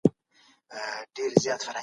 د ډوډۍ پر مهال له ماشومانو سره ښې خبرې وکړئ.